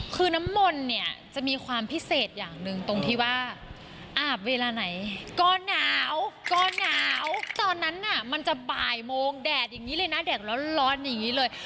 คือน้ำมนต์เนี่ยจะมีความพิเศษอย่างหนึ่งตรงที่ว่าอาบเวลาไหนก็หนาวก็หนาวตอนนั้นน่ะมันจะบ่ายโมงแดดอย่างนี้เลยนะแดดร้อนอย่างนี้เลย